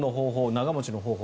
長持ちの方法。